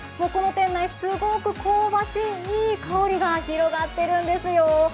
この店内、すごく香ばしいいい香りが広がっているんですよ。